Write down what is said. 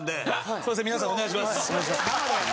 すいません皆さんお願いします。